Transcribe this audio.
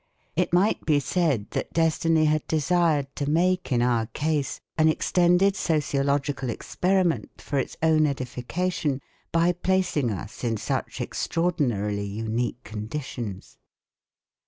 It might be said that destiny had desired to make in our case an extended sociological experiment for its own edification by placing us in such extraordinarily unique conditions.